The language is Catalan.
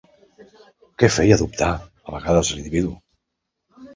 Què feia dubtar a vegades l'individu?